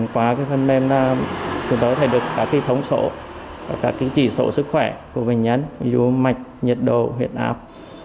qua phần mềm chúng tôi có thể được cả kỳ thống sổ cả kỳ chỉ sổ sức khỏe của bệnh nhân ví dụ mạch nhiệt độ huyệt áp